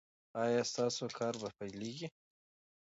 ایا ستاسو کار به پیلیږي؟